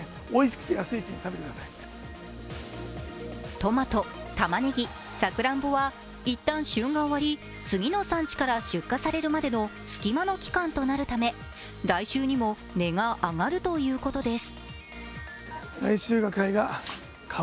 トマト、たまねぎ、さくらんぼはいったん旬が終わり次の産地から出荷されるまでの隙間の期間となるため、来週にも値が上がるということです。